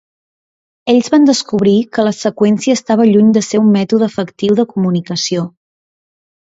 Ells van descobrir que la seqüència estava lluny de ser un mètode efectiu de comunicació.